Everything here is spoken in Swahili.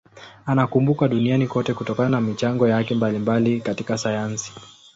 Anakumbukwa duniani kote kutokana na michango yake mbalimbali katika sayansi.